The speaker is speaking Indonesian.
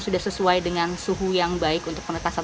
jadi ini harus dikawal